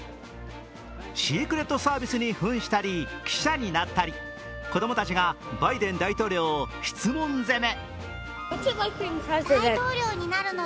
シークレットサービスにふんしたり、記者になったり子供たちがバイデン大統領を質問攻め。